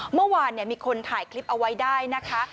เมื่อวานมีคนถ่ายคลิปเอาไว้ได้นะคะ